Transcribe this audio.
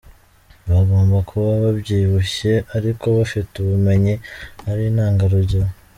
Bagomba kuba babyibushye ariko bafite ubumenyi, ari intangarugero.